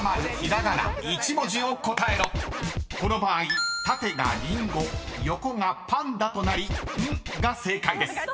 ［この場合縦がりんご横がぱんだとなり「ん」が正解です］